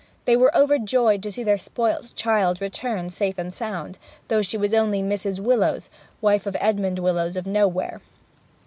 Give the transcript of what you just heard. They were overjoyed to see their spoilt child return safe and sound though she was only Mrs. Willowes, wife of Edmond Willowes of nowhere.